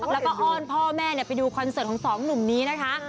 แล้วก็อ้อนพ่อแม่ไปดูคอนเสิร์ตของสองหนุ่มนี้นะคะ